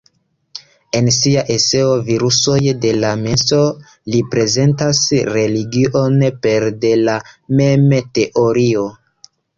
En sia eseo "Virusoj de la menso" li prezentas religion pere de la meme-teorio.